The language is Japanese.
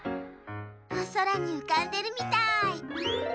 おそらにうかんでるみたい。